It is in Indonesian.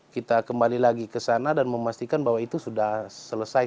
kita kembali lagi ke sana dan memastikan bahwa itu sudah selesai